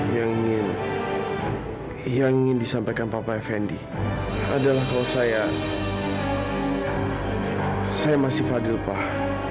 yang ingin yang ingin disampaikan papa effendi adalah kalau saya saya masih fadilah